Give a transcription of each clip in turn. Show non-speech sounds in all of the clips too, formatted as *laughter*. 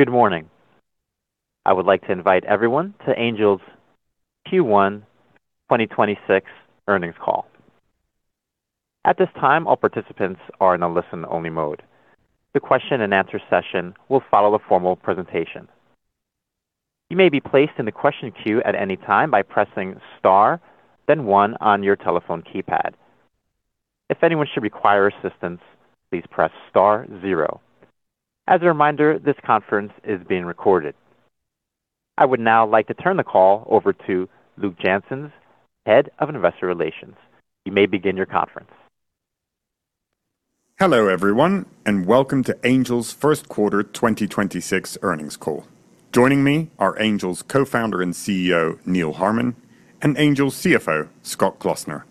Good morning? I would like to invite everyone to Angel's Q1 2026 earnings call. At this time, all participants are in a listen-only mode. The question-and-answer session will follow a formal presentation. You may be placed in the question queue at any time by pressing star, then one on your telephone keypad. If anyone should require assistance, please press star zero. As a reminder, this conference is being recorded. I would now like to turn the call over to Luk Janssens, Head of Investor Relations. You may begin your conference. Hello, everyone, and welcome to Angel's first quarter 2026 earnings call. Joining me are Angel's Co-founder and Chief Executive Officer, Neal Harmon, and Angel's Chief Financial Officer, Scott Klossner.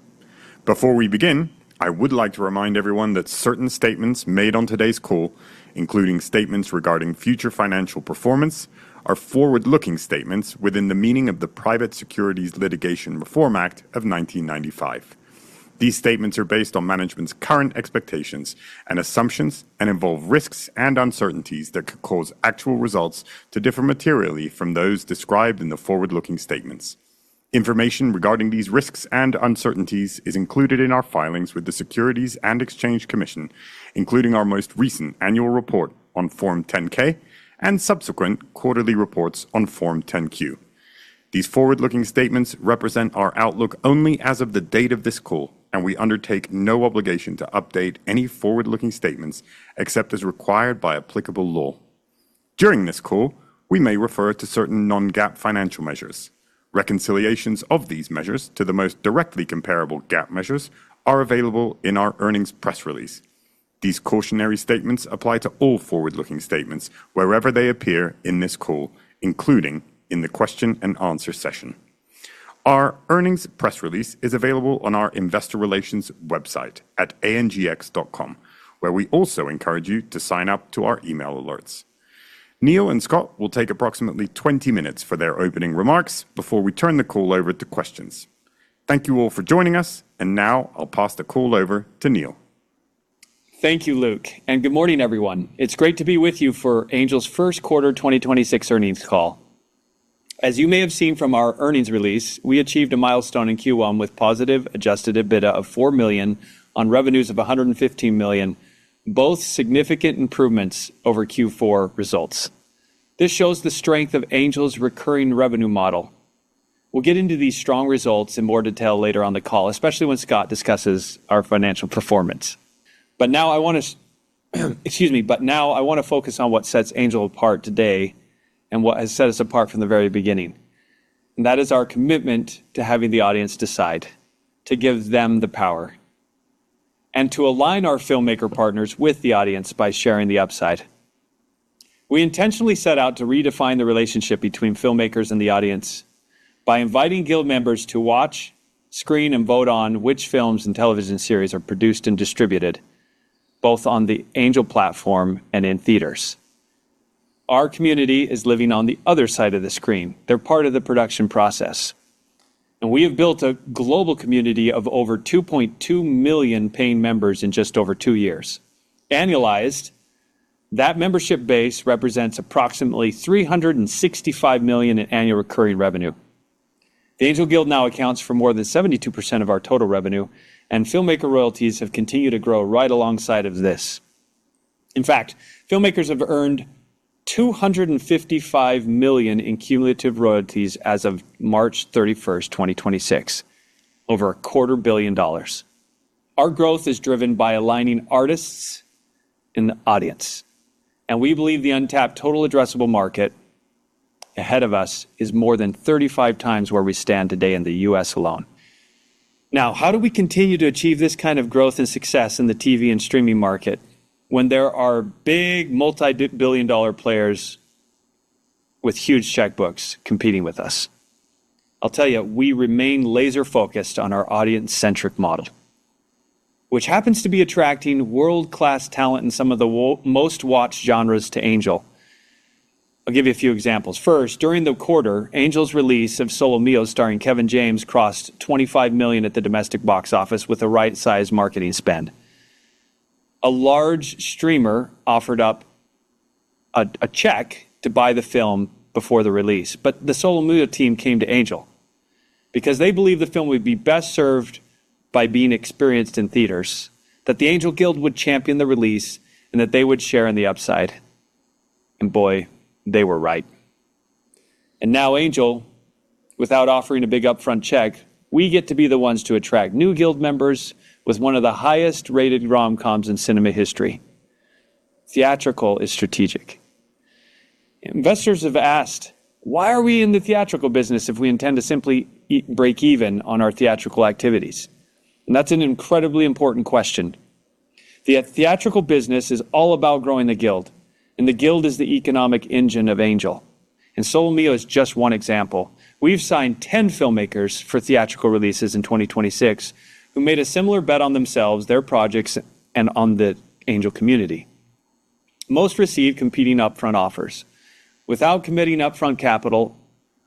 Before we begin, I would like to remind everyone that certain statements made on today's call, including statements regarding future financial performance, are forward-looking statements within the meaning of the Private Securities Litigation Reform Act of 1995. These statements are based on management's current expectations and assumptions and involve risks and uncertainties that could cause actual results to differ materially from those described in the forward-looking statements. Information regarding these risks and uncertainties is included in our filings with the Securities and Exchange Commission, including our most recent annual report on Form 10-K and subsequent quarterly reports on Form 10-Q. These forward-looking statements represent our outlook only as of the date of this call, and we undertake no obligation to update any forward-looking statements except as required by applicable law. During this call, we may refer to certain non-GAAP financial measures. Reconciliations of these measures to the most directly comparable GAAP measures are available in our earnings press release. These cautionary statements apply to all forward-looking statements wherever they appear in this call, including in the question and answer session. Our earnings press release is available on our investor relations website at angx.com, where we also encourage you to sign up to our email alerts. Neal and Scott will take approximately 20 minutes for their opening remarks before we turn the call over to questions. Thank you all for joining us, and now I'll pass the call over to Neal. Thank you, Luk, good morning, everyone. It's great to be with you for Angel's first quarter 2026 earnings call. As you may have seen from our earnings release, we achieved a milestone in Q1 with positive Adjusted EBITDA of $4 million on revenues of $115 million, both significant improvements over Q4 results. This shows the strength of Angel's recurring revenue model. We'll get into these strong results in more detail later on the call, especially when Scott discusses our financial performance. Now I wanna excuse me, now I wanna focus on what sets Angel apart today and what has set us apart from the very beginning. That is our commitment to having the audience decide, to give them the power, and to align our filmmaker partners with the audience by sharing the upside. We intentionally set out to redefine the relationship between filmmakers and the audience by inviting Guild members to watch, screen, and vote on which films and television series are produced and distributed, both on the Angel platform and in theaters. Our community is living on the other side of the screen. They're part of the production process. We have built a global community of over 2.2 million paying members in just over two years. Annualized, that membership base represents approximately $365 million in annual recurring revenue. The Angel Guild now accounts for more than 72% of our total revenue, and filmmaker royalties have continued to grow right alongside of this. In fact, filmmakers have earned $255 million in cumulative royalties as of March 31st, 2026, over a $0.25 billion. Our growth is driven by aligning artists and the audience, we believe the untapped total addressable market ahead of us is more than 35x where we stand today in the U.S. alone. How do we continue to achieve this kind of growth and success in the TV and streaming market when there are big multi-billion-dollar players with huge checkbooks competing with us? We remain laser-focused on our audience-centric model, which happens to be attracting world-class talent in some of the most watched genres to Angel. I'll give you a few examples. During the quarter, Angel's release of Solo Mio starring Kevin James crossed $25 million at the domestic box office with a right-sized marketing spend. A large streamer offered up a check to buy the film before the release, but the Solo Mio team came to Angel because they believe the film would be best served by being experienced in theaters, that the Angel Guild would champion the release, and that they would share in the upside. Boy, they were right. Now Angel, without offering a big upfront check, we get to be the ones to attract new Guild members with one of the highest-rated rom-coms in cinema history. Theatrical is strategic. Investors have asked, why are we in the theatrical business if we intend to simply break even on our theatrical activities? That's an incredibly important question. Theatrical business is all about growing the Guild, and the Guild is the economic engine of Angel. Solo Mio is just one example. We've signed 10 filmmakers for theatrical releases in 2026 who made a similar bet on themselves, their projects, and on the Angel community. Most received competing upfront offers. Without committing upfront capital,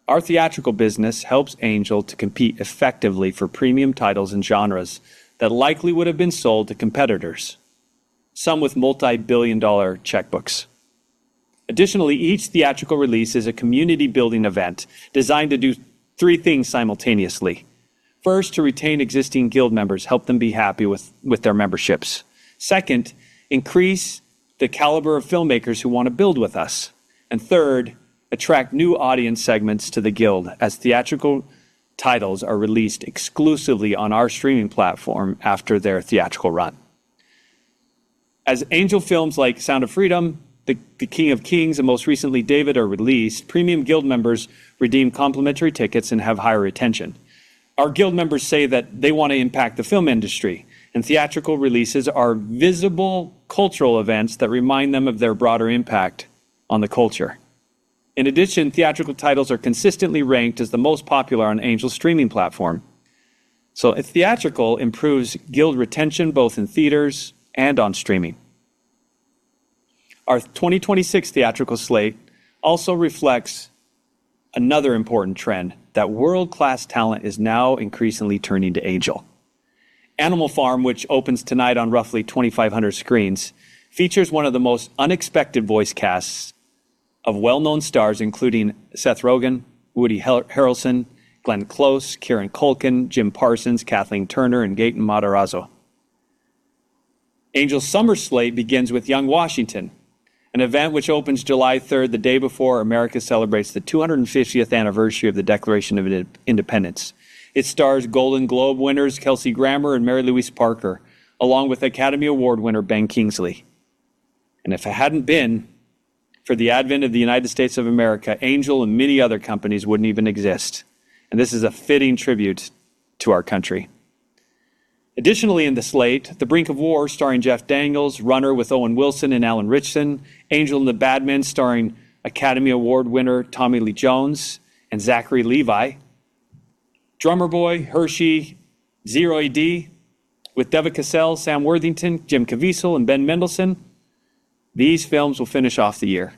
our theatrical business helps Angel to compete effectively for premium titles and genres that likely would have been sold to competitors, some with multi-billion dollar checkbooks. Each theatrical release is a community-building event designed to do three things simultaneously. First, to retain existing Guild members, help them be happy with their memberships. Second, increase the caliber of filmmakers who want to build with us. Third, attract new audience segments to the Guild as theatrical titles are released exclusively on our streaming platform after their theatrical run. Angel films like Sound of Freedom, The King of Kings, and most recently David are released, premium Guild members redeem complimentary tickets and have higher retention. Our Guild members say that they want to impact the film industry, theatrical releases are visible cultural events that remind them of their broader impact on the culture. In addition, theatrical titles are consistently ranked as the most popular on Angel's streaming platform. Theatrical improves Guild retention both in theaters and on streaming. Our 2026 theatrical slate also reflects another important trend, that world-class talent is now increasingly turning to Angel. Animal Farm, which opens tonight on roughly 2,500 screens, features one of the most unexpected voice casts of well-known stars, including Seth Rogen, Woody Harrelson, Glenn Close, Kieran Culkin, Jim Parsons, Kathleen Turner, and Gaten Matarazzo. Angel's summer slate begins with Young Washington, an event which opens July third, the day before America celebrates the 250th anniversary of the Declaration of Independence. It stars Golden Globe winners Kelsey Grammer and Mary-Louise Parker, along with Academy Award winner Ben Kingsley. If it hadn't been for the advent of the United States of America, Angel and many other companies wouldn't even exist, and this is a fitting tribute to our country. Additionally, in the slate, The Brink of War, starring Jeff Daniels, Runner with Owen Wilson and Alan Ritchson, Angel and the Badman, starring Academy Award winner Tommy Lee Jones and Zachary Levi. Drummer Boy, Hershey, Zero A. D. with Deva Cassel, Sam Worthington, Jim Caviezel, and Ben Mendelsohn. These films will finish off the year.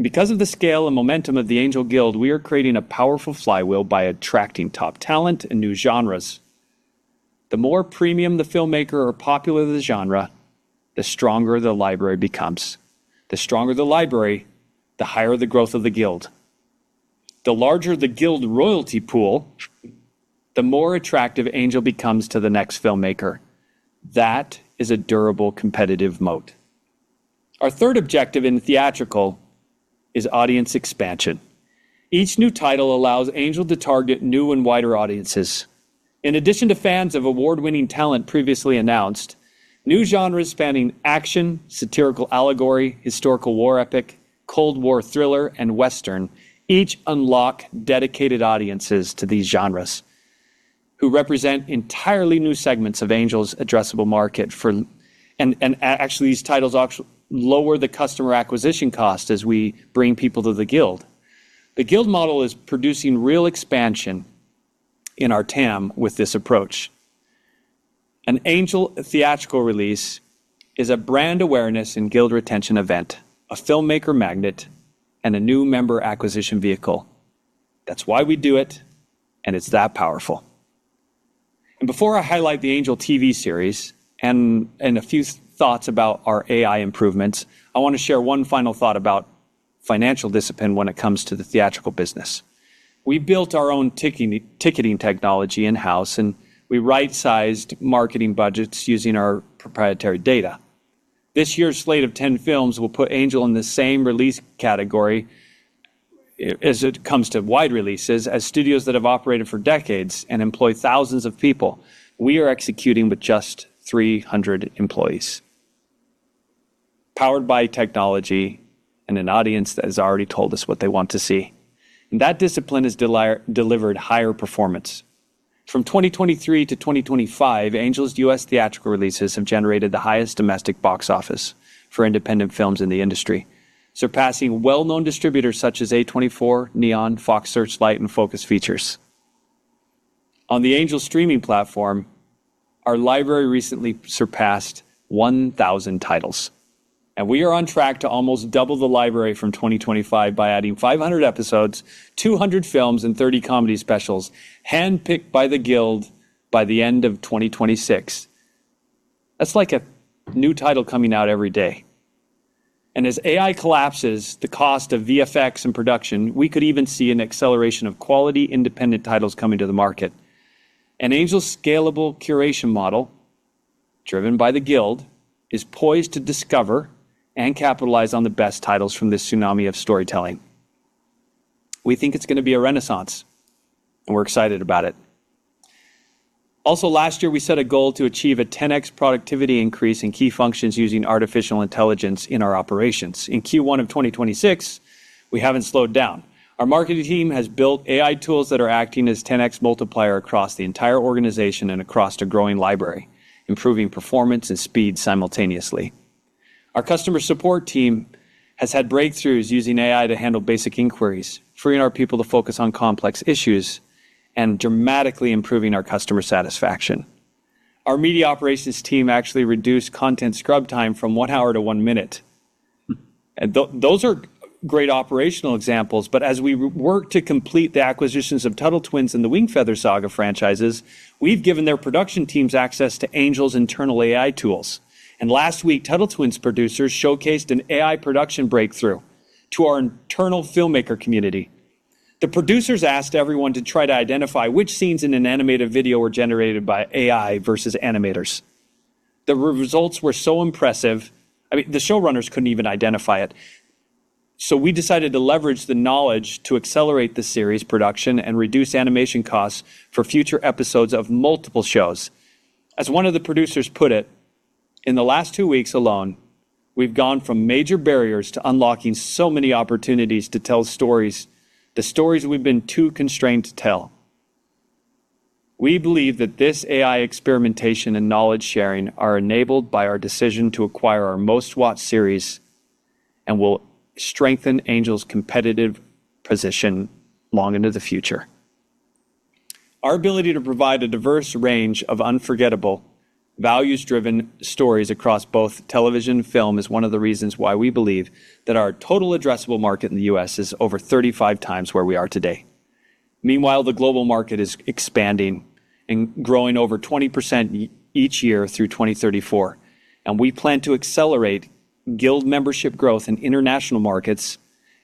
Because of the scale and momentum of the Angel Guild, we are creating a powerful flywheel by attracting top talent and new genres. The more premium the filmmaker or popular the genre, the stronger the library becomes. The stronger the library, the higher the growth of the Guild. The larger the Guild royalty pool, the more attractive Angel becomes to the next filmmaker. That is a durable competitive moat. Our third objective in theatrical is audience expansion. Each new title allows Angel to target new and wider audiences. In addition to fans of award-winning talent previously announced, new genres spanning action, satirical allegory, historical war epic, Cold War thriller, and Western each unlock dedicated audiences to these genres who represent entirely new segments of Angel's addressable market for And, actually, these titles also lower the customer acquisition cost as we bring people to the Guild. The Guild model is producing real expansion in our TAM with this approach. An Angel theatrical release is a brand awareness and Guild retention event, a filmmaker magnet, and a new member acquisition vehicle. That's why we do it, and it's that powerful. Before I highlight the Angel TV series and a few thoughts about our AI improvements, I want to share one final thought about financial discipline when it comes to the theatrical business. We built our own ticketing technology in-house, and we right-sized marketing budgets using our proprietary data. This year's slate of 10 films will put Angel in the same release category as it comes to wide releases as studios that have operated for decades and employ thousands of people. We are executing with just 300 employees, powered by technology and an audience that has already told us what they want to see. That discipline has delivered higher performance. From 2023 to 2025, Angel Studios' U.S. theatrical releases have generated the highest domestic box office for independent films in the industry, surpassing well-known distributors such as A24, Neon, Searchlight Pictures, and Focus Features. On the Angel Studios streaming platform, our library recently surpassed 1,000 titles, and we are on track to almost double the library from 2025 by adding 500 episodes, 200 films, and 30 comedy specials handpicked by the Angel Guild by the end of 2026. That's like a new title coming out every day. As AI collapses the cost of VFX and production, we could even see an acceleration of quality independent titles coming to the market. Angel Studios' scalable curation model driven by the Angel Guild, is poised to discover and capitalize on the best titles from this tsunami of storytelling. We think it's gonna be a renaissance, and we're excited about it. Last year, we set a goal to achieve a 10x productivity increase in key functions using artificial intelligence in our operations. In Q1 of 2026, we haven't slowed down. Our marketing team has built AI tools that are acting as 10x multiplier across the entire organization and across the growing library, improving performance and speed simultaneously. Our customer support team has had breakthroughs using AI to handle basic inquiries, freeing our people to focus on complex issues and dramatically improving our customer satisfaction. Our media operations team actually reduced content scrub time from one hour to one minute. Those are great operational examples, but as we work to complete the acquisitions of Tuttle Twins and the Wingfeather Saga franchises, we've given their production teams access to Angel's internal AI tools. Last week, Tuttle Twins producers showcased an AI production breakthrough to our internal filmmaker community. The producers asked everyone to try to identify which scenes in an animated video were generated by AI versus animators. The results were so impressive, I mean, the showrunners couldn't even identify it. We decided to leverage the knowledge to accelerate the series production and reduce animation costs for future episodes of multiple shows. As one of the producers put it, in the last two weeks alone, we've gone from major barriers to unlocking so many opportunities to tell stories, the stories we've been too constrained to tell. We believe that this AI experimentation and knowledge sharing are enabled by our decision to acquire our most-watched series and will strengthen Angel's competitive position long into the future. Our ability to provide a diverse range of unforgettable values-driven stories across both television and film is one of the reasons why we believe that our total addressable market in the U.S. is over 35x where we are today. Meanwhile, the global market is expanding and growing over 20% each year through 2034, and we plan to accelerate Guild membership growth in international markets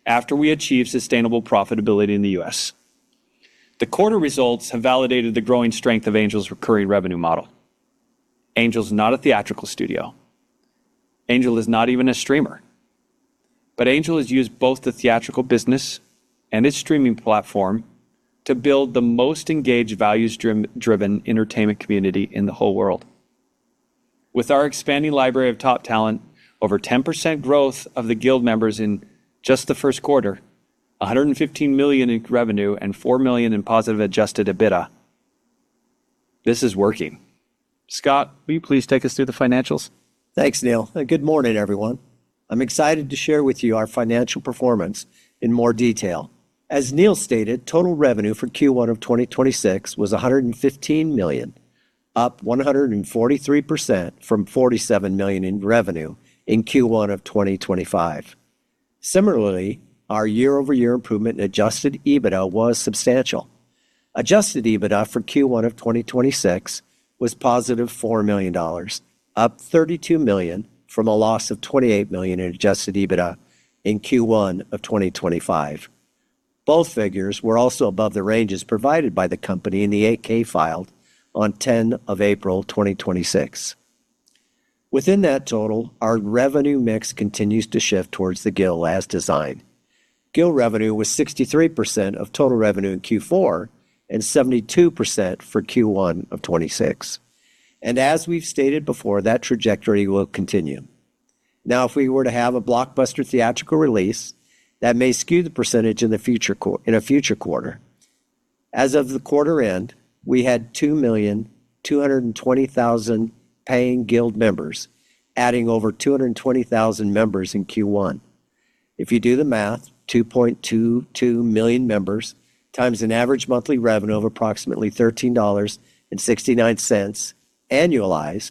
after we achieve sustainable profitability in the U.S. The quarter results have validated the growing strength of Angel recurring revenue model. Angel not a theatrical studio. Angel Studios is not even a streamer. Angel has used both the theatrical business and its streaming platform to build the most engaged values-driven entertainment community in the whole world. With our expanding library of top talent, over 10% growth of the Guild members in just the first quarter, $115 million in revenue, and $4 million in positive Adjusted EBITDA, this is working. Scott, will you please take us through the financials? Thanks, Neal. Good morning, everyone. I'm excited to share with you our financial performance in more detail. As Neal stated, total revenue for Q1 of 2026 was $115 million, up 143% from $47 million in revenue in Q1 of 2025. Similarly, our year-over-year improvement in Adjusted EBITDA was substantial. Adjusted EBITDA for Q1 of 2026 was $+4 million, up $32 million from a loss of $28 million in Adjusted EBITDA in Q1 of 2025. Both figures were also above the ranges provided by the company in the 8-K filed on 10 of April, 2026. Within that total, our revenue mix continues to shift towards the Guild as designed. Guild revenue was 63% of total revenue in Q4 and 72% for Q1 of 2026. As we've stated before, that trajectory will continue. If we were to have a blockbuster theatrical release, that may skew the percentage in a future quarter. As of the quarter-end, we had 2,220,000 paying Guild members, adding over 220,000 members in Q1. If you do the math, 2.22 million members times an average monthly revenue of approximately $13.69 annualized,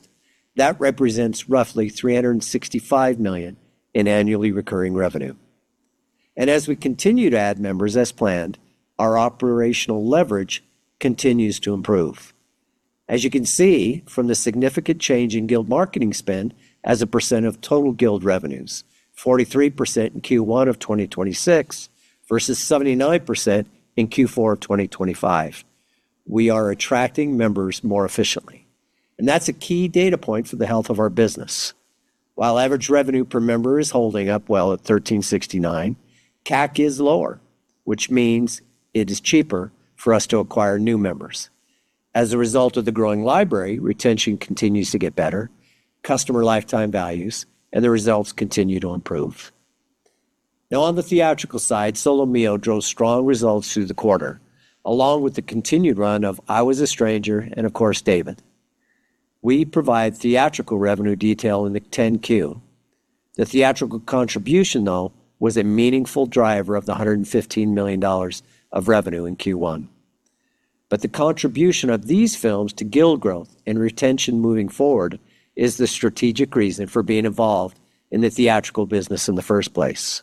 that represents roughly $365 million in annually recurring revenue. As we continue to add members as planned, our operational leverage continues to improve. As you can see from the significant change in Guild marketing spend as a percentage of total Guild revenues, 43% in Q1 of 2026 versus 79% in Q4 of 2025. We are attracting members more efficiently, and that's a key data point for the health of our business. While average revenue per member is holding up well at $13.69, CAC is lower, which means it is cheaper for us to acquire new members. As a result of the growing library, retention continues to get better, customer lifetime values, and the results continue to improve. Now, on the theatrical side, Solo Mio drove strong results through the quarter, along with the continued run of I Was a Stranger and of course, DAVID. We provide theatrical revenue detail in the 10-Q. The theatrical contribution, though, was a meaningful driver of the $115 million of revenue in Q1. The contribution of these films to Guild growth and retention moving forward is the strategic reason for being involved in the theatrical business in the first place.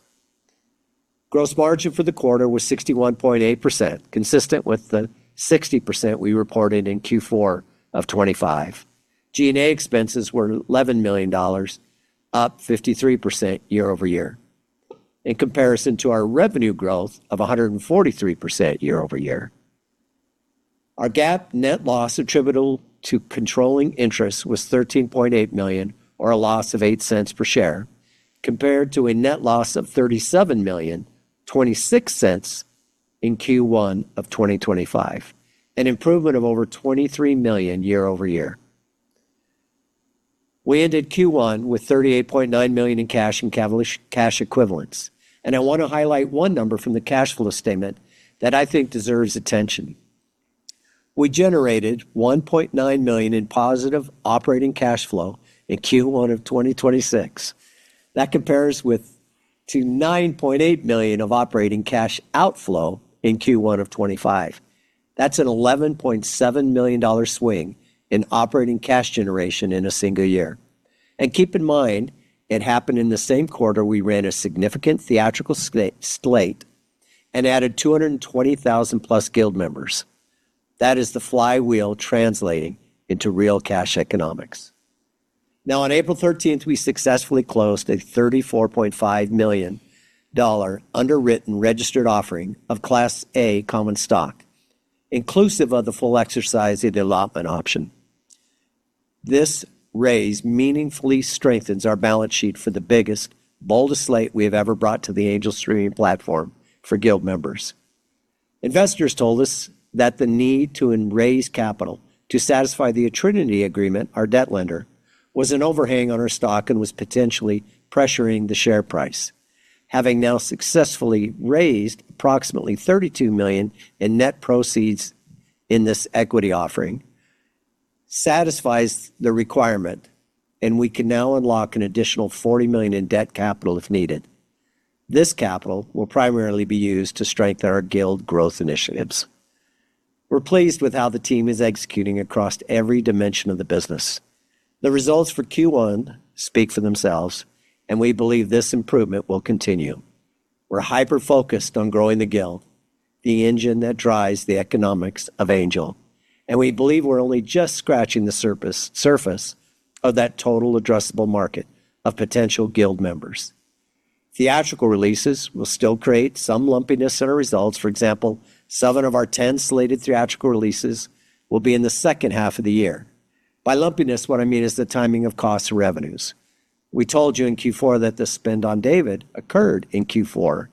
Gross margin for the quarter was 61.8%, consistent with the 60% we reported in Q4 of 2025. G&A expenses were $11 million, up 53% year-over-year. In comparison to our revenue growth of 143% year-over-year. Our GAAP net loss attributable to controlling interest was $13.8 million, or a loss of $0.08 per share, compared to a net loss of $37 million, $0.26 in Q1 of 2025, an improvement of over $23 million year-over-year. We ended Q1 with $38.9 million in cash and cash equivalents, and I want to highlight one number from the cash flow statement that I think deserves attention. We generated $1.9 million in positive operating cash flow in Q1 of 2026. That compares with $9.8 million of operating cash outflow in Q1 of 2025. That's an $11.7 million swing in operating cash generation in a single year. Keep in mind, it happened in the same quarter we ran a significant theatrical slate and added 220,000+ Guild members. That is the flywheel translating into real cash economics. Now, on April 13th, we successfully closed a $34.5 million underwritten registered offering of Class A common stock, inclusive of the full exercise-it allotment option. This raise meaningfully strengthens our balance sheet for the biggest, boldest slate we have ever brought to the Angel streaming platform for Guild members. Investors told us that the need to raise capital to satisfy the Trinity Capital agreement, our debt lender, was an overhang on our stock and was potentially pressuring the share price. Having now successfully raised approximately $32 million in net proceeds in this equity offering satisfies the requirement, and we can now unlock an additional $40 million in debt capital if needed. This capital will primarily be used to strengthen our Guild growth initiatives. We're pleased with how the team is executing across every dimension of the business. The results for Q1 speak for themselves, and we believe this improvement will continue. We're hyper-focused on growing the Guild, the engine that drives the economics of Angel, and we believe we're only just scratching the surface of that total addressable market of potential Guild members. Theatrical releases will still create some lumpiness in our results. For example, seven of our 10 slated theatrical releases will be in the second half of the year. By lumpiness, what I mean is the timing of costs to revenues. We told you in Q4 that the spend on DAVID occurred in Q4,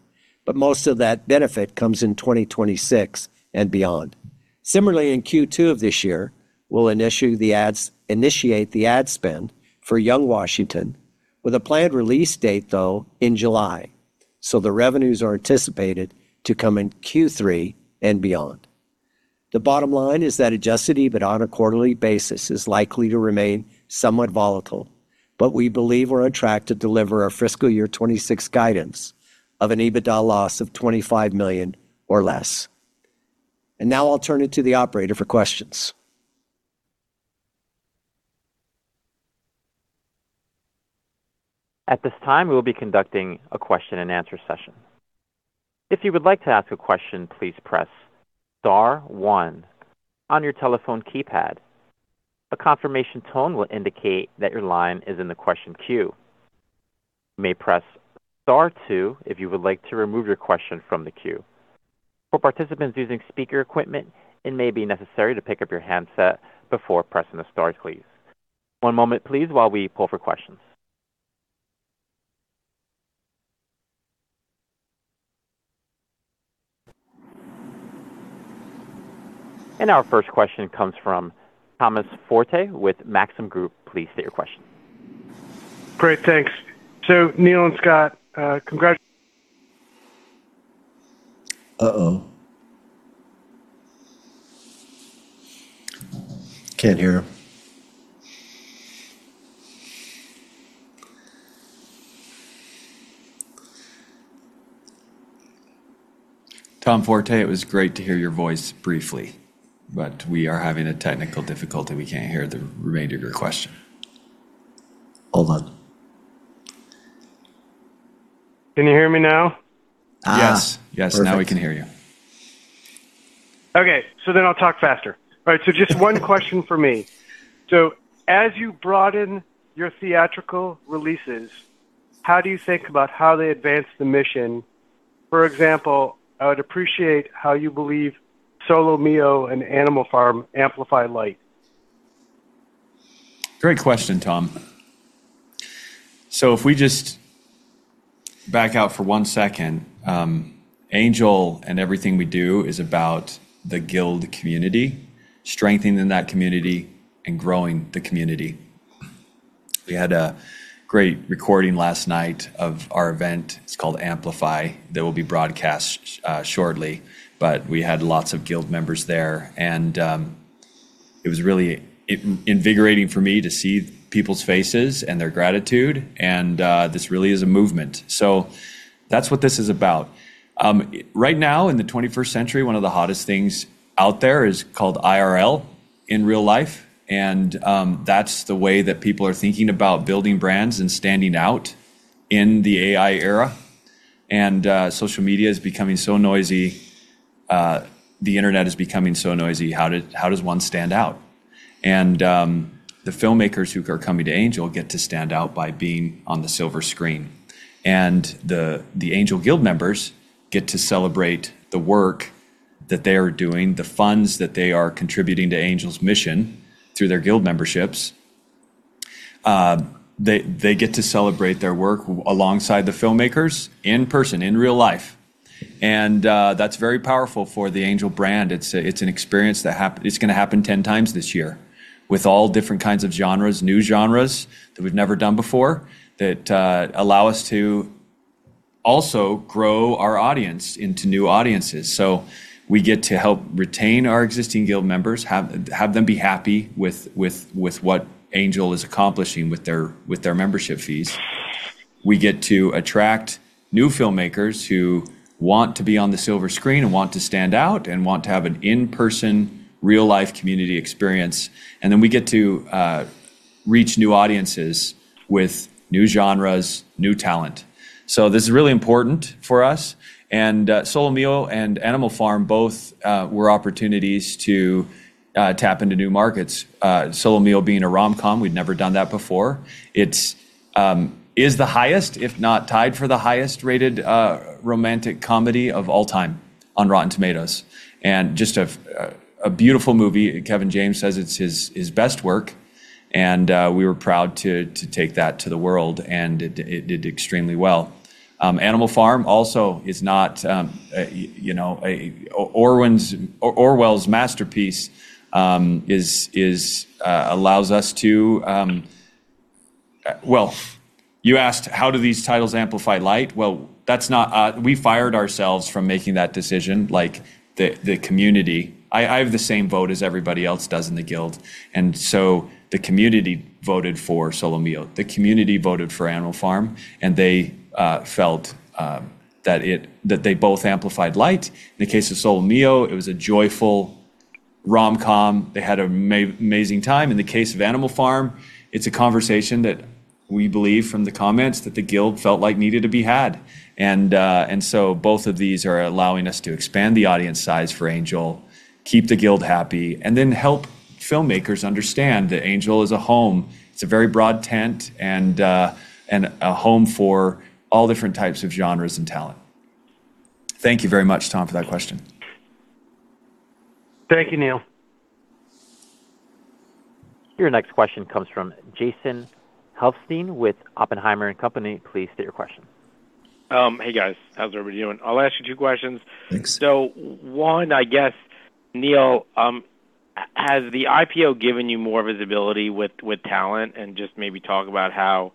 but most of that benefit comes in 2026 and beyond. Similarly, in Q2 of this year, we'll initiate the ad spend for Young Washington with a planned release date, though, in July, so the revenues are anticipated to come in Q3 and beyond. The bottom line is that adjusted EBITDA on a quarterly basis is likely to remain somewhat volatile, but we believe we're on track to deliver our fiscal year 2026 guidance of an EBITDA loss of $25 million or less. Now I'll turn it to the operator for questions. At this time we will be conducting question-and-answer session. If you would like to ask a question press star one on your telephone keypad. Press star two if you want to remove your question. One moment please as we queue your question. One moment, please, while we pull for questions. Our first question comes from Thomas Forte with Maxim Group, please state your question. Great, thanks. Neal and Scott, congrats- Uh-oh. Can't hear him. Tom Forte, it was great to hear your voice briefly, but we are having a technical difficulty. We can't hear the remainder of your question. Hold on. Can you hear me now? Yes. Yes. Perfect. Now we can hear you. Okay, I'll talk faster. All right, just one question from me. As you broaden your theatrical releases, how do you think about how they advance the mission? For example, I would appreciate how you believe Solo Mio and Animal Farm amplify light. Great question, Tom. If we just back out for one second, Angel Studios and everything we do is about the Angel Guild community, strengthening that community and growing the community. We had a great recording last night of our event, it's called Amplify, that will be broadcast shortly, but we had lots of Angel Guild members there and it was really invigorating for me to see people's faces and their gratitude and this really is a movement. That's what this is about. Right now, in the 21st century, one of the hottest things out there is called IRL, in real life, and that's the way that people are thinking about building brands and standing out in the AI era. Social media is becoming so noisy. The internet is becoming so noisy, how does one stand out? The filmmakers who are coming to Angel get to stand out by being on the silver screen. The Angel Guild members get to celebrate the work that they are doing, the funds that they are contributing to Angel's mission through their guild memberships. They get to celebrate their work alongside the filmmakers in person, in real life, and that's very powerful for the Angel brand. It's a, it's an experience that It's going to happen 10x this year with all different kinds of genres, new genres that we've never done before that allow us to also grow our audience into new audiences. We get to help retain our existing Guild members, have them be happy with what Angel is accomplishing with their membership fees. We get to attract new filmmakers who want to be on the silver screen and want to stand out and want to have an in-person, real-life community experience. We get to reach new audiences with new genres, new talent. This is really important for us and Solo Mio and Animal Farm both were opportunities to tap into new markets. Solo Mio being a rom-com, we'd never done that before. It's the highest, if not tied for the highest rated, romantic comedy of all time on Rotten Tomatoes, and just a beautiful movie. Kevin James says it's his best work and we were proud to take that to the world, and it did extremely well. Animal Farm also is not, you know, a Orwell's masterpiece, allows us to Well, you asked how do these titles amplify light? Well, that's not, we fired ourselves from making that decision, like the community. I have the same vote as everybody else does in the Guild. The community voted for Solo Mio. The community voted for Animal Farm. They felt that they both amplified light. In the case of Solo Mio, it was a joyful rom-com. They had an amazing time. In the case of Animal Farm, it's a conversation that we believe from the comments that the Guild felt like needed to be had. Both of these are allowing us to expand the audience size for Angel, keep the Guild happy, and then help filmmakers understand that Angel is a home. It's a very broad tent and a home for all different types of genres and talent. Thank you very much, Tom, for that question. Thank you, Neal. Your next question comes from Jason Helfstein with Oppenheimer & Company, please state your question. Hey, guys. How's everybody doing? I'll ask you two questions. Thanks. One, I guess, Neal, has the IPO given you more visibility with talent? Just maybe talk about how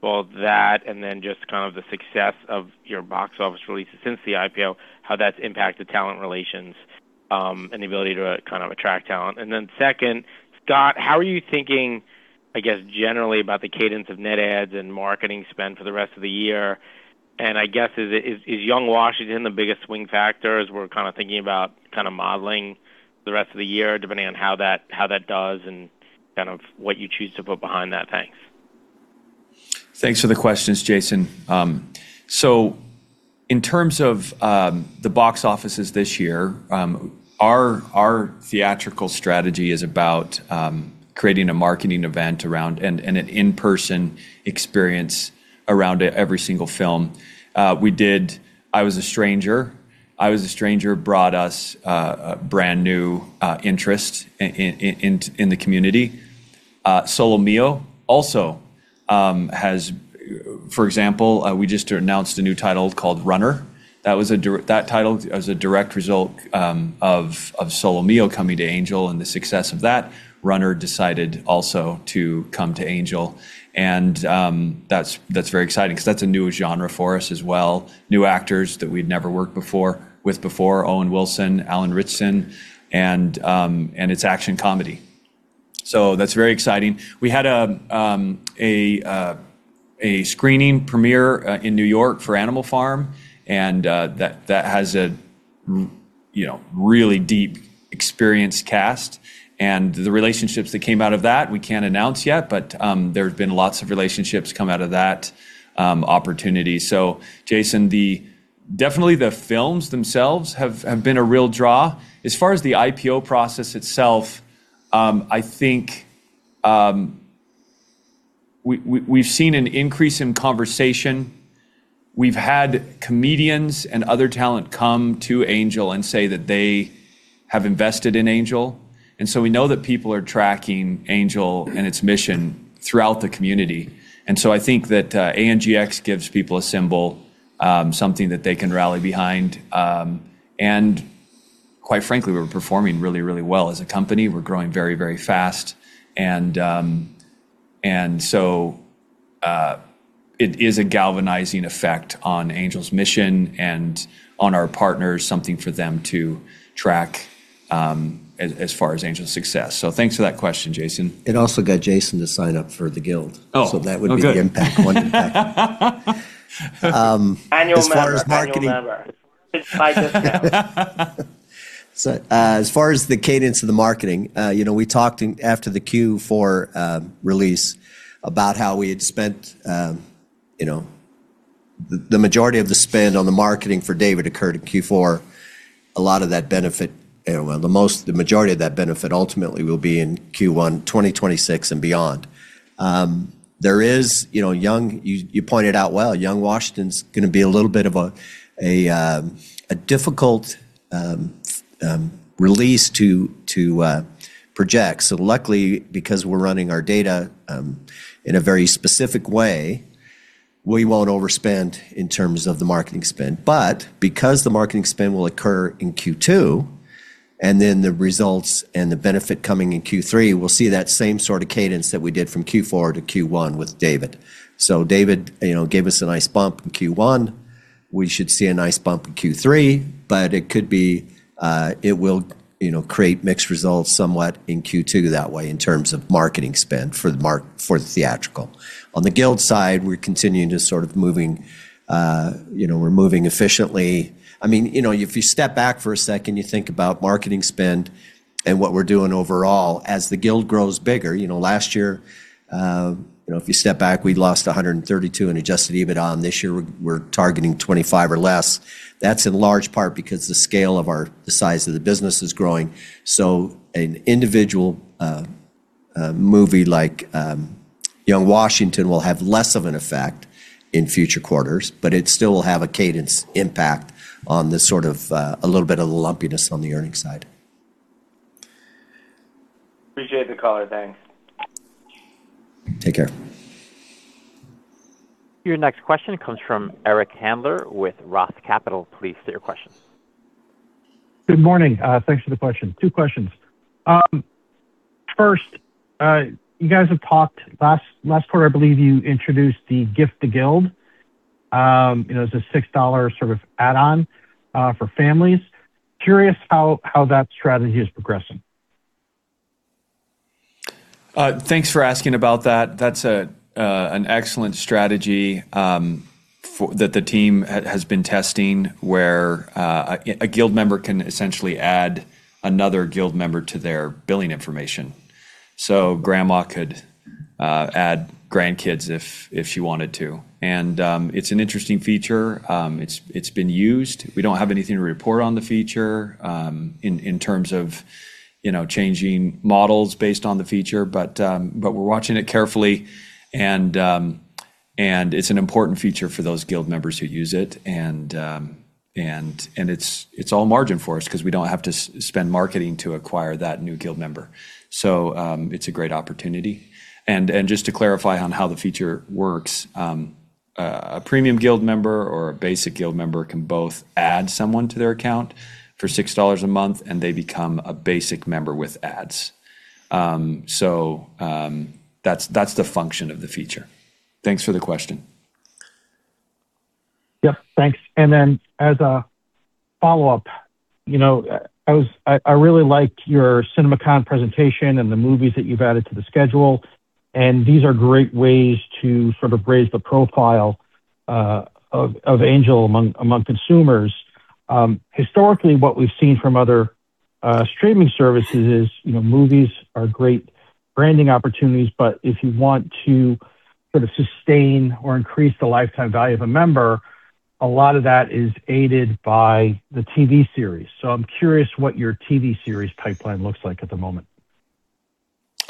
both that and then just kind of the success of your box office releases since the IPO, how that's impacted talent relations, and the ability to kind of attract talent. Then second, Scott, how are you thinking, I guess, generally about the cadence of net adds and marketing spend for the rest of the year? I guess is Young Washington the biggest swing factor as we're kind of thinking about kind of modeling the rest of the year, depending on how that does and kind of what you choose to put behind that? Thanks. Thanks for the questions, Jason. In terms of the box offices this year, our theatrical strategy is about creating a marketing event around and an in-person experience around every single film. We did I Was a Stranger. I Was a Stranger brought us a brand-new interest in the community. Solo Mio also has, for example, we just announced a new title called Runner. That title is a direct result of Solo Mio coming to Angel and the success of that. Runner decided also to come to Angel and that's very exciting 'cause that's a new genre for us as well, new actors that we'd never worked with before, Owen Wilson, Alan Ritchson, and it's action-comedy. That's very exciting. We had a screening premiere in New York for Animal Farm and that has a, you know, really deep experienced cast and the relationships that came out of that we can't announce yet, but there have been lots of relationships come out of that opportunity. Jason, definitely the films themselves have been a real draw. As far as the IPO process itself, I think we've seen an increase in conversation. We've had comedians and other talent come to Angel and say that they have invested in Angel. We know that people are tracking Angel and its mission throughout the community. I think that ANGX gives people a symbol, something that they can rally behind. Quite frankly, we're performing really well as a company. We're growing very, very fast and so, it is a galvanizing effect on Angel's mission and on our partners, something for them to track, as far as Angel's success. Thanks for that question, Jason. It also got Jason to sign up for the Guild. Oh, good. That would be the impact on the Guild. Annual member. Annual member. As far as the cadence of the marketing, you know, we talked after the Q4 release about how we had spent. The majority of the spend on the marketing for DAVID occurred in Q4. A lot of that benefit, well, the majority of that benefit ultimately will be in Q1 2026 and beyond. There is, you know, You pointed out well, Young Washington's going to be a little bit of a difficult release to project. Luckily, because we're running our data in a very specific way, we won't overspend in terms of the marketing spend. Because the marketing spend will occur in Q2, and then the results and the benefit coming in Q3, we'll see that same sort of cadence that we did from Q4 to Q1 with DAVID. DAVID, you know, gave us a nice bump in Q1. We should see a nice bump in Q3, but it could be, it will, you know, create mixed results somewhat in Q2 that way in terms of marketing spend for the theatrical. On the Guild side, we're continuing to sort of moving, you know, we're moving efficiently. I mean, you know, if you step back for a second, you think about marketing spend and what we're doing overall as the Guild grows bigger. You know, last year, you know, if you step back, we'd lost $132 in Adjusted EBITDA, and this year we're targeting $25 or less. That's in large part because the size of the business is growing. An individual movie like Young Washington will have less of an effect in future quarters, but it still will have a cadence impact on the sort of, a little bit of the lumpiness on the earnings side. Appreciate the color. Thanks. Take care. Your next question comes from Eric Handler with Roth Capital, please state your question. Good morning. Thanks for the question. Two questions. First, Last quarter, I believe you introduced the Gift a Guild. You know, it's a $6 sort of add-on for families. Curious how that strategy is progressing. Thanks for asking about that. That's an excellent strategy that the team has been testing, where an Angel Guild member can essentially add another Angel Guild member to their billing information. Grandma could add grandkids if she wanted to. It's an interesting feature. It's been used. We don't have anything to report on the feature, in terms of, you know, changing models based on the feature. We're watching it carefully and it's an important feature for those Angel Guild members who use it. It's all margin for us 'cause we don't have to spend marketing to acquire that new Angel Guild member. It's a great opportunity. Just to clarify on how the feature works, a premium Guild member or a basic Guild member can both add someone to their account for $6 a month, and they become a basic member with ads. That's the function of the feature. Thanks for the question. Yep. Thanks. As a follow-up, you know, I really liked your CinemaCon presentation and the movies that you've added to the schedule, and these are great ways to sort of raise the profile of Angel among consumers. Historically, what we've seen from other streaming services is, you know, movies are great branding opportunities. If you want to sort of sustain or increase the lifetime value of a member, a lot of that is aided by the TV series. I'm curious what your TV series pipeline looks like at the moment.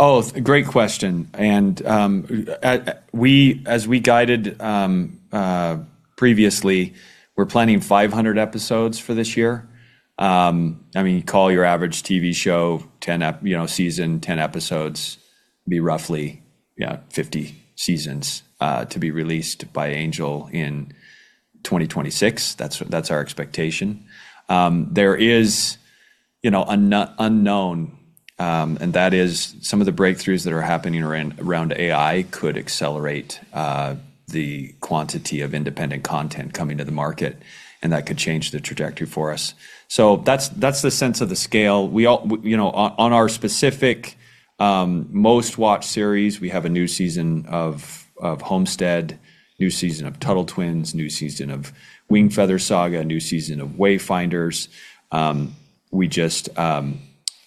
It's a great question. As we guided previously, we're planning 500 episodes for this year. I mean, call your average TV show 10, you know, season 10 episodes, be roughly, you know, 50 seasons to be released by Angel in 2026. That's our expectation. There is, you know, unknown, and that is some of the breakthroughs that are happening around AI could accelerate the quantity of independent content coming to the market, and that could change the trajectory for us. That's the sense of the scale. You know, on our specific most watched series, we have a new season of Homestead, new season of Tuttle Twins, new season of Wingfeather Saga, a new season of Wayfinders. We just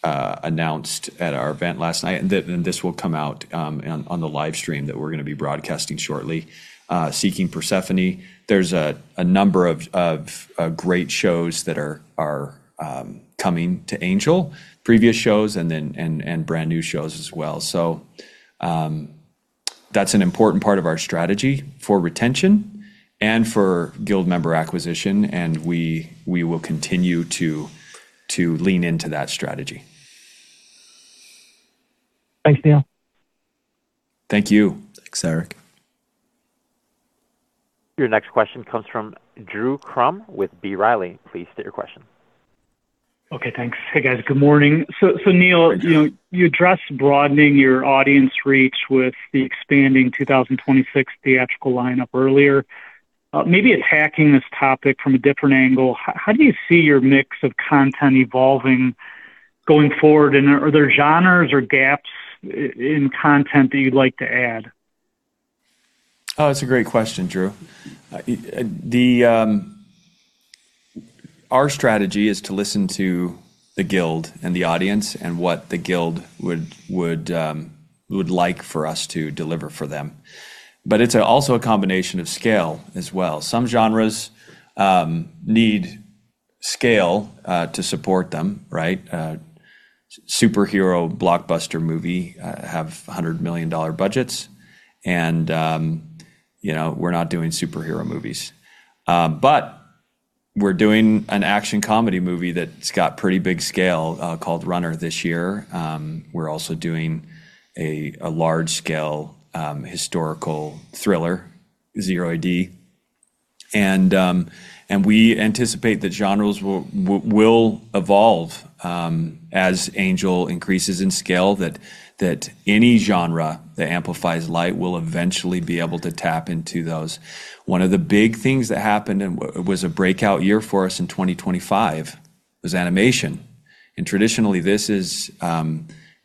announced at our event last night, and this will come out on the live stream that we're going to be broadcasting shortly, Seeking Persephone. There's a number of great shows that are coming to Angel, previous shows and brand-new shows as well. That's an important part of our strategy for retention and for Guild member acquisition, and we will continue to lean into that strategy. Thanks, Neal. Thank you. Thanks, Eric. Your next question comes from Drew Crum with B. Riley, please state your question. Okay, thanks. Hey, guys. Good morning? Neal, you know, you addressed broadening your audience reach with the expanding 2026 theatrical lineup earlier. Maybe attacking this topic from a different angle, how do you see your mix of content evolving going forward? Are there genres or gaps in content that you'd like to add? It's a great question, Drew. Our strategy is to listen to the Angel Guild and the audience and what the Angel Guild would like for us to deliver for them. It's also a combination of scale as well. Some genres need scale to support them, right? Superhero blockbuster movie have $100 million budgets and, you know, we're not doing superhero movies. We're doing an action comedy movie that's got pretty big scale called Runner this year. We're also doing a large scale historical thriller, Zero A. D. We anticipate the genres will evolve as Angel Studios increases in scale that any genre that amplifies light will eventually be able to tap into those. One of the big things that happened and was a breakout year for us in 2025 was animation. Traditionally, this is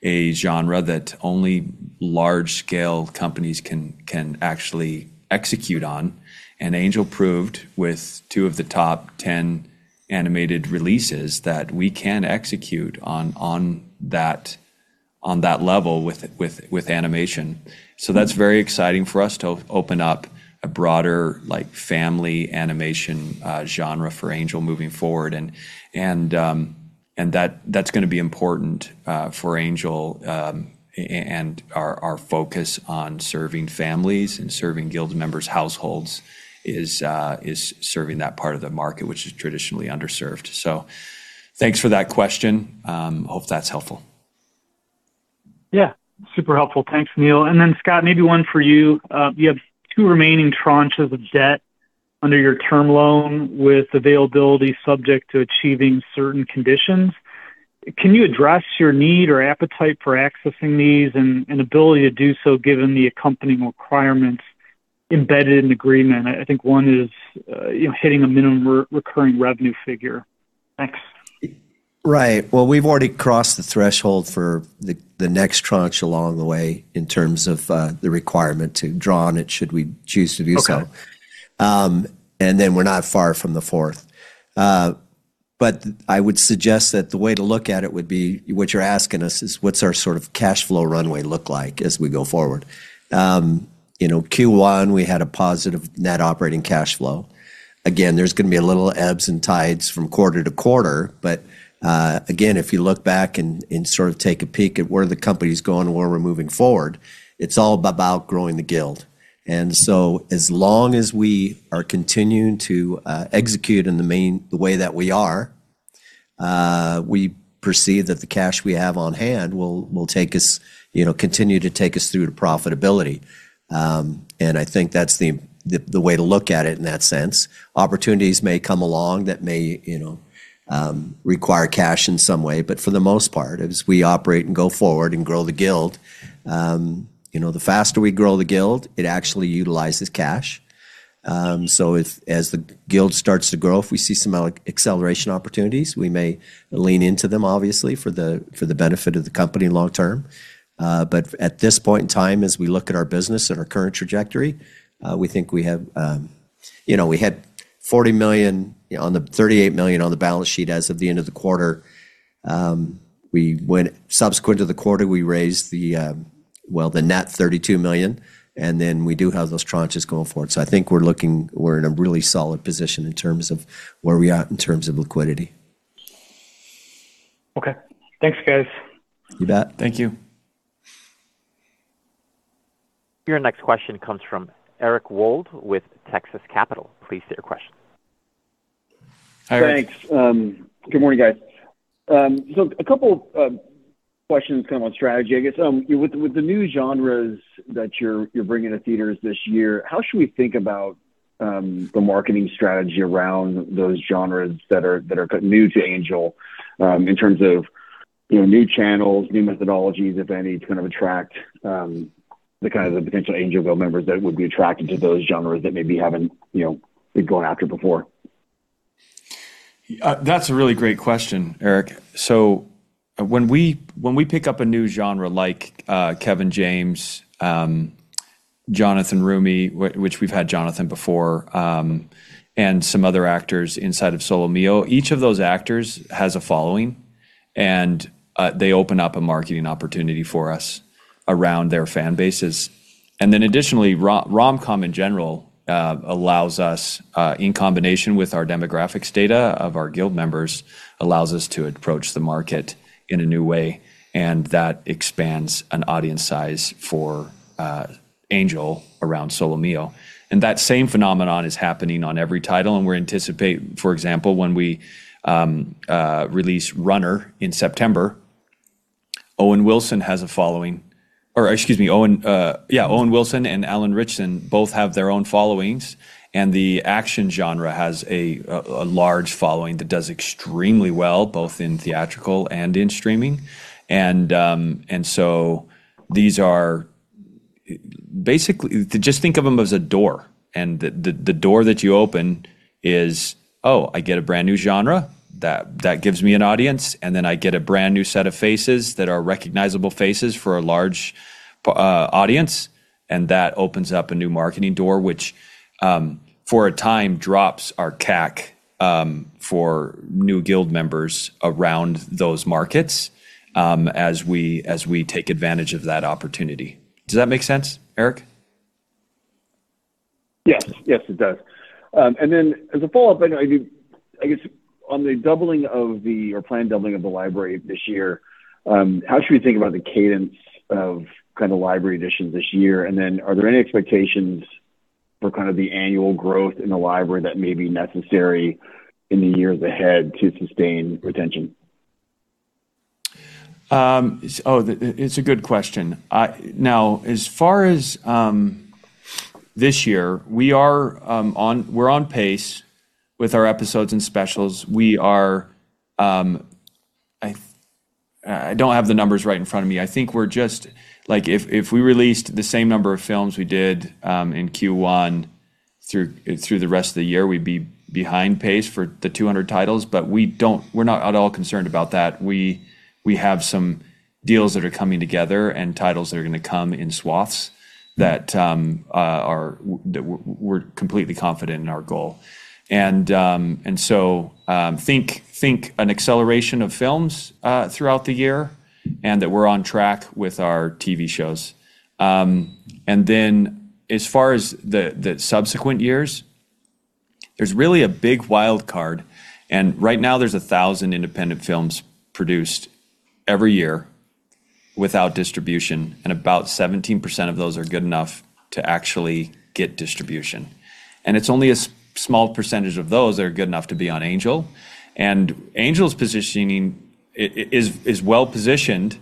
a genre that only large scale companies can actually execute on. Angel proved with of the top 10 animated releases that we can execute on that level with animation. That's very exciting for us to open up a broader like family animation genre for Angel moving forward and that's gonna be important for Angel and our focus on serving families and serving Guild members' households is serving that part of the market which is traditionally underserved. Thanks for that question. Hope that's helpful. Yeah, super helpful. Thanks, Neal. Scott, maybe one for you. You have two remaining tranches of debt under your term loan with availability subject to achieving certain conditions. Can you address your need or appetite for accessing these and ability to do so given the accompanying requirements embedded in agreement? I think one is, you know, hitting a minimum recurring revenue figure. Thanks. Right. Well, we've already crossed the threshold for the next tranche along the way in terms of the requirement to draw on it should we choose to do so. We're not far from the fourth. I would suggest that the way to look at it would be what you're asking us is what's our sort of cash flow runway look like as we go forward. Q1, we had a positive net operating cash flow. Again, there's gonna be a little ebbs and tides from quarter-to-quarter. Again, if you look back and sort of take a peek at where the company's going and where we're moving forward, it's all about growing the Guild. As long as we are continuing to execute in the main, the way that we are, we perceive that the cash we have on hand will continue to take us, you know, through to profitability. I think that's the way to look at it in that sense. Opportunities may come along that may, you know, require cash in some way. For the most part, as we operate and go forward and grow the Guild, you know, the faster we grow the Guild, it actually utilizes cash. If as the Guild starts to grow, if we see some acceleration opportunities, we may lean into them obviously for the benefit of the company long term. At this point in time, as we look at our business and our current trajectory, we think we have, you know, we had $38 million on the balance sheet as of the end of the quarter. Subsequent to the quarter, we raised the net $32 million. We do have those tranches going forward. I think we're in a really solid position in terms of where we are in terms of liquidity. Okay. Thanks, guys. You bet. Thank you. Your next question comes from Eric Wold with Texas Capital, please state your question. Hi, Eric? Thanks. Good morning guys? A couple questions kind of on strategy, I guess. With the new genres that you're bringing to theaters this year, how should we think about the marketing strategy around those genres that are new to Angel, in terms of, you know, new channels, new methodologies, if any, to kind of attract the kind of the potential Angel Guild members that would be attracted to those genres that maybe haven't, you know, been going after before? That's a really great question, Eric. When we pick up a new genre like Kevin James, Jonathan Roumie, which we've had Jonathan before, and some other actors inside of Solo Mio, each of those actors has a following, and they open up a marketing opportunity for us around their fan bases. Additionally, rom-com in general allows us, in combination with our demographics data of our Angel Guild members, allows us to approach the market in a new way, and that expands an audience size for Angel around Solo Mio. That same phenomenon is happening on every title, and we anticipate, for example, when we release Runner in September, Owen Wilson has a following. Owen Wilson and Alan Ritchson both have their own followings, and the action genre has a large following that does extremely well, both in theatrical and in streaming. Just think of them as a door, and the door that you open is, oh, I get a brand new genre that gives me an audience, and then I get a brand new set of faces that are recognizable faces for a large audience. That opens up a new marketing door, which for a time drops our CAC for new Guild members around those markets as we take advantage of that opportunity. Does that make sense, Eric? Yes. Yes, it does. As a follow-up, I know I guess on the doubling of the or planned doubling of the library this year, how should we think about the cadence of kind of library additions this year? Are there any expectations for kind of the annual growth in the library that may be necessary in the years ahead to sustain retention? It's a good question. Now as far as this year, we are on pace with our episodes and specials. We are, I don't have the numbers right in front of me. I think if we released the same number of films we did in Q1 through the rest of the year, we'd be behind pace for the 200 titles. We're not at all concerned about that. We have some deals that are coming together and titles that are gonna come in swaths that we're completely confident in our goal. Think an acceleration of films throughout the year, and that we're on track with our TV shows. As far as the subsequent years, there's really a big wild card. Right now there's 1,000 independent films produced every year without distribution, and about 17% of those are good enough to actually get distribution. It's only a small percentage of those that are good enough to be on Angel. Angel's positioning is well-positioned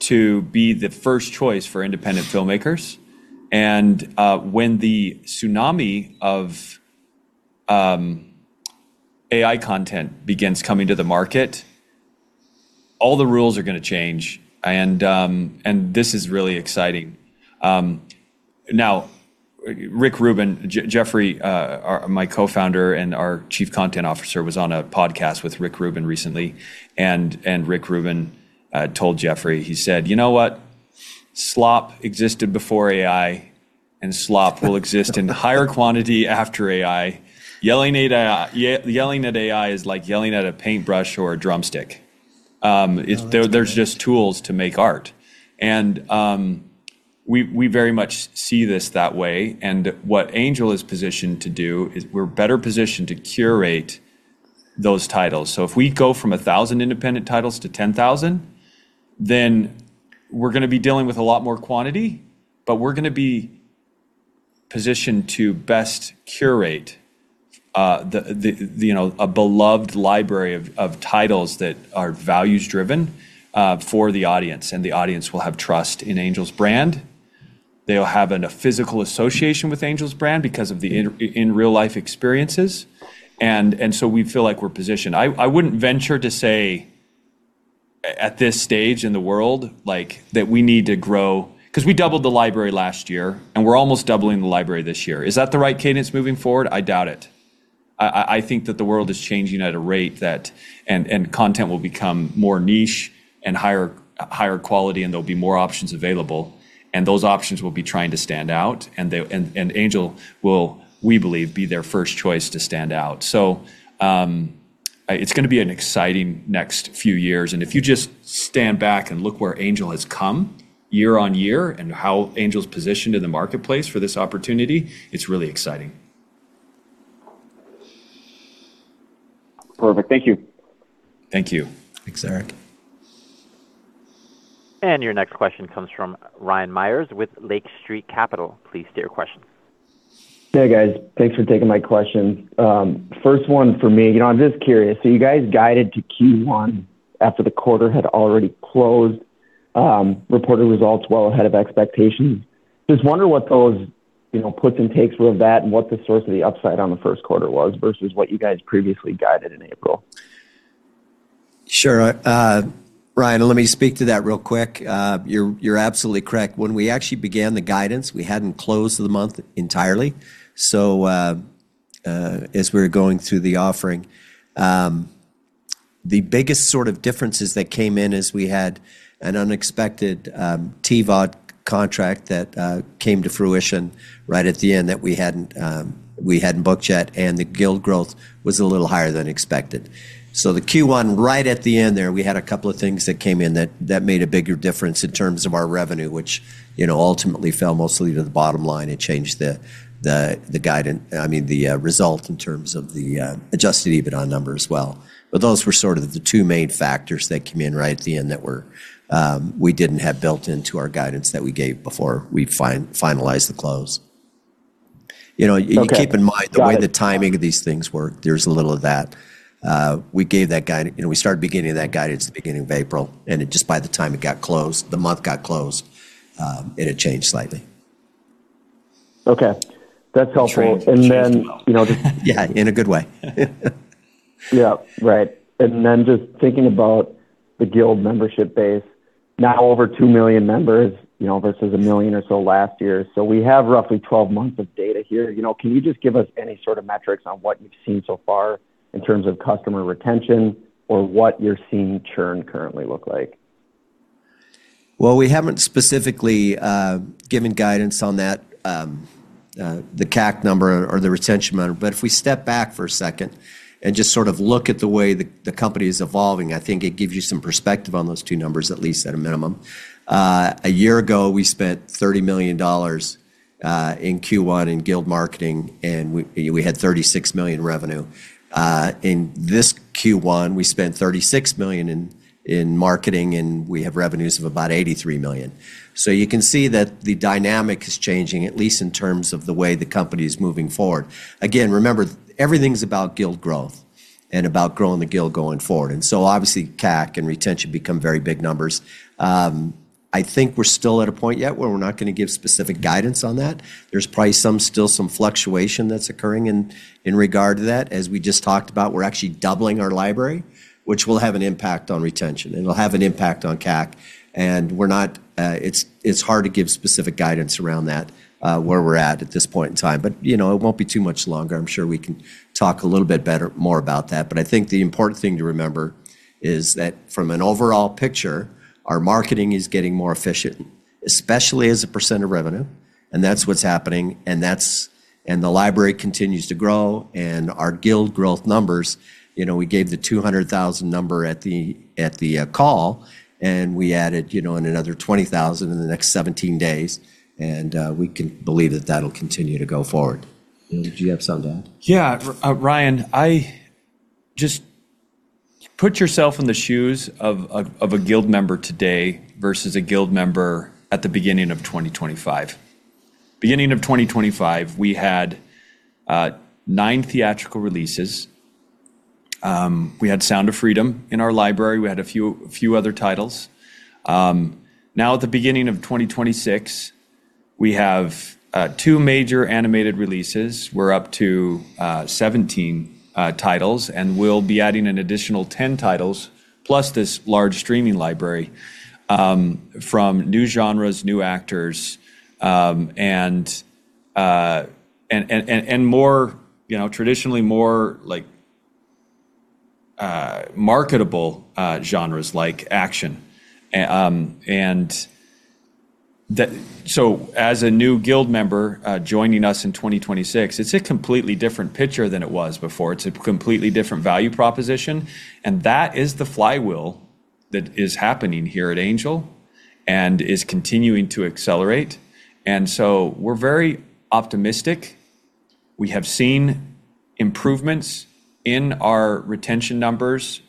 to be the first choice for independent filmmakers. When the tsunami of AI content begins coming to the market, all the rules are gonna change, and this is really exciting. Now, Rick Rubin, Jeffrey, my Co-founder and our Chief Content Officer, was on a podcast with Rick Rubin recently. Rick Rubin told Jeffrey, he said, you know what? Slop existed before AI, and slop will exist in higher quantity after AI. Yelling at AI is like yelling at a paintbrush or a drumstick. There's just tools to make art. We very much see this that way, and what Angel is positioned to do is we're better positioned to curate those titles. If we go from 1,000 independent titles to 10,000, then we're going to be dealing with a lot more quantity, but we're going to be positioned to best curate, you know, a beloved library of titles that are values-driven for the audience, and the audience will have trust in Angel's brand. They'll have a physical association with Angel's brand because of the in real life experiences. We feel like we're positioned. I wouldn't venture to say at this stage in the world, like, that we need to grow. Cause we doubled the library last year, we're almost doubling the library this year. Is that the right cadence moving forward? I doubt it. I think that the world is changing at a rate that content will become more niche and higher quality, and there'll be more options available, and those options will be trying to stand out. Angel will, we believe, be their first choice to stand out. It's gonna be an exciting next few years. If you just stand back and look where Angel has come year on year and how Angel's positioned in the marketplace for this opportunity, it's really exciting. Perfect. Thank you. Thank you. Thanks, Eric. Your next question comes from Ryan Meyers with Lake Street Capital, please state your question. Hey, guys? Thanks for taking my questions. First one for me, you know, I'm just curious. You guys guided to Q1 after the quarter had already closed, reported results well ahead of expectation. Just wonder what those, you know, puts and takes were of that and what the source of the upside on the first quarter was versus what you guys previously guided in April. Sure. Ryan, let me speak to that real quick. You're absolutely correct. When we actually began the guidance, we hadn't closed the month entirely, as we were going through the offering. The biggest sort of differences that came in is we had an unexpected TVOD contract that came to fruition right at the end that we hadn't booked yet, and the Angel Guild growth was a little higher than expected. The Q1, right at the end there, we had a couple of things that came in that made a bigger difference in terms of our revenue, which, you know, ultimately fell mostly to the bottom line. It changed the result in terms of the Adjusted EBITDA number as well. Those were sort of the two main factors that came in right at the end that were, we didn't have built into our guidance that we gave before we finalized the close. Okay. Got it. You keep in mind the way the timing of these things work, there's a little of that. You know, we started beginning that guidance at the beginning of April, and it just by the time it got closed, the month got closed, it had changed slightly. Okay. That's helpful. *crosstalk* Yeah. Right. Just thinking about the Angel Guild membership base, now over 2 million members, you know, versus one million or so last year. We have roughly 12 months of data here. You know, can you just give us any sort of metrics on what you've seen so far in terms of customer retention or what you're seeing churn currently look like? We haven't specifically given guidance on that, the CAC number or the retention number. If we step back for a second and just sort of look at the way the company is evolving, I think it gives you some perspective on those two numbers, at least at a minimum. A year ago, we spent $30 million in Q1 in Guild marketing, and we had $36 million revenue. In this Q1, we spent $36 million in marketing, and we have revenues of about $83 million. You can see that the dynamic is changing, at least in terms of the way the company is moving forward. Again, remember, everything's about Guild growth and about growing the Guild going forward. Obviously, CAC and retention become very big numbers. I think we're still at a point yet where we're not gonna give specific guidance on that. There's probably still some fluctuation that's occurring in regard to that. As we just talked about, we're actually doubling our library, which will have an impact on retention, and it'll have an impact on CAC. We're not It's hard to give specific guidance around that, where we're at at this point in time. You know, it won't be too much longer. I'm sure we can talk a little bit better more about that. I think the important thing to remember is that from an overall picture, our marketing is getting more efficient, especially as a % of revenue, and that's what's happening. The library continues to grow and our Guild growth numbers, you know, we gave the 200,000 number at the call, and we added, you know, another 20,000 in the next 17 days. We can believe that that'll continue to go forward. Neal, do you have something to add? Yeah. Ryan, Just put yourself in the shoes of a Guild member today versus a Guild member at the beginning of 2025. Beginning of 2025, we had nine theatrical releases. We had Sound of Freedom in our library. We had a few other titles. Now at the beginning of 2026, we have two major animated releases. We're up to 17 titles, and we'll be adding an additional 10 titles, plus this large streaming library, from new genres, new actors, and more, you know, traditionally more like marketable genres like action. As a new Guild member, joining us in 2026, it's a completely different picture than it was before. It's a completely different value proposition, that is the flywheel that is happening here at Angel and is continuing to accelerate. We're very optimistic. We have seen improvements in our retention numbers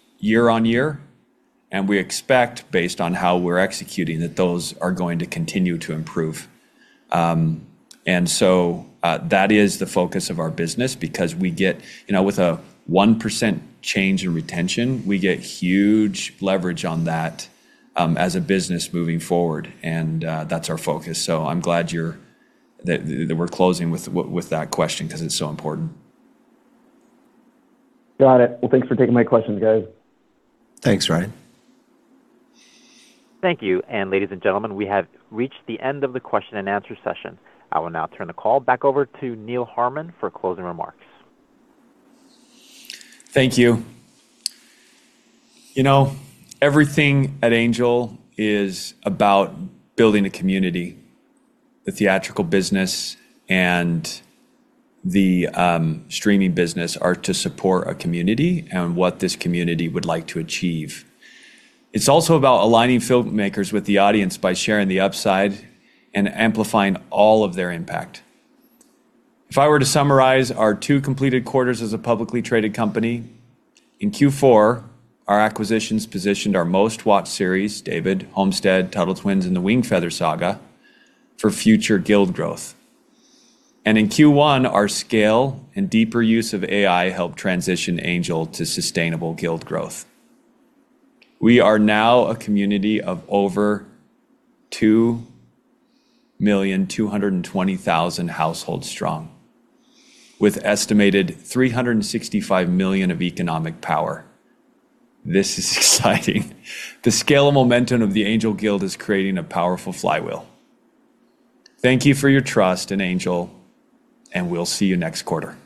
year-on-year, we expect, based on how we're executing, that those are going to continue to improve. That is the focus of our business because we get You know, with a 1% change in retention, we get huge leverage on that as a business moving forward, that's our focus. I'm glad that we're closing with that question 'cause it's so important. Got it. Well, thanks for taking my questions, guys. Thanks, Ryan. Thank you. Ladies and gentlemen, we have reached the end of the question and answer session. I will now turn the call back over to Neal Harmon for closing remarks. Thank you. You know, everything at Angel is about building a community. The theatrical business and the streaming business are to support a community and what this community would like to achieve. It's also about aligning filmmakers with the audience by sharing the upside and amplifying all of their impact. If I were to summarize our two completed quarters as a publicly traded company, in Q4, our acquisitions positioned our most watched series, DAVID, Homestead, Tuttle Twins, and The Wingfeather Saga, for future Guild growth. In Q1, our scale and deeper use of AI helped transition Angel to sustainable Guild growth. We are now a community of over 2,220,000 households strong with estimated $365 million of economic power. This is exciting. The scale and momentum of the Angel Guild is creating a powerful flywheel. Thank you for your trust in Angel. We'll see you next quarter.